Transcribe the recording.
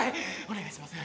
お願いします